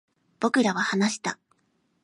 僕らは話した